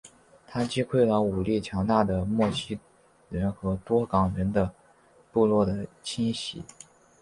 他击溃了武力强大的莫西人和多冈人部落的侵袭。